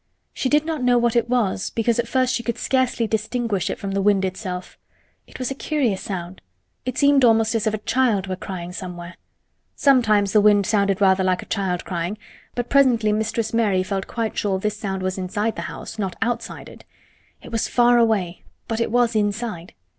She did not know what it was, because at first she could scarcely distinguish it from the wind itself. It was a curious sound—it seemed almost as if a child were crying somewhere. Sometimes the wind sounded rather like a child crying, but presently Mistress Mary felt quite sure this sound was inside the house, not outside it. It was far away, but it was inside.